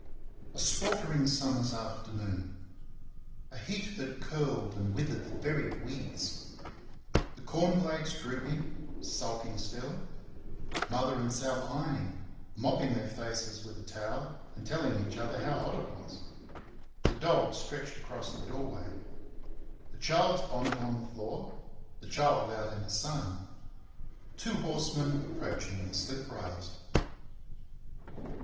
A sweltering summer's afternoon. A heat that curled and withered the very weeds. The corn blades drooping, sulking still. Mother and Sal ironing, mopping their faces with a towel and telling each other how hot it was. The dog stretched across the doorway. A child's bonnet on the floor the child out in the sun. Two horsemen approaching the slip rails.